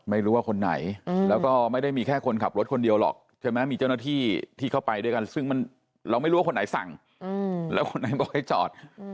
ไม่รู้ว่าคนไหนแล้วก็ไม่ได้มีแค่คนขับรถคนเดียวหรอกใช่ไหมมีเจ้าหน้าที่ที่เข้าไปด้วยกันซึ่งเราไม่รู้ว่าคนไหนสั่งแล้วคนไหนบอกให้จอด